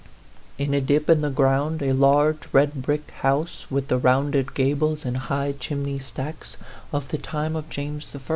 In a dip in the ground a large red brick house, with the rounded gables and high chimney stacks of the time of James I.